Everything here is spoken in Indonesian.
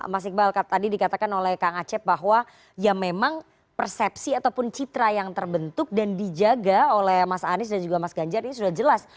mas iqbal tadi dikatakan oleh kang acep bahwa ya memang persepsi ataupun citra yang terbentuk dan dijaga oleh mas anies dan juga mas ganjar ini sudah jelas